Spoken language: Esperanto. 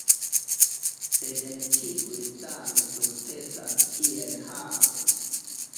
Sed ne ĉiuj same sukcesas kiel Hao.